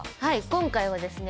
今回はですね